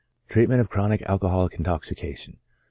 TREATMENT OF CHRONIC ALCOHOLIC INTOXICATION.